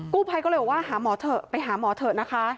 กู้ภัยก็เลยบอกว่าหาหมอเถอะไปหาหมอเถอะนะคะ